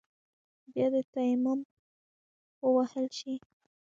بيا دې تيمم ووهل شي.